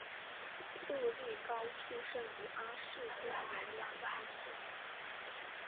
杜利高出身于阿士东维拉青训。